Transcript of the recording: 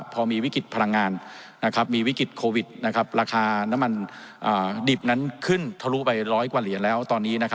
พอมีวิกฤตพลังงานมีวิกฤตโควิดราคาน้ำมันดิบนั้นขึ้นทะลุไปร้อยกว่าเหรียญแล้วตอนนี้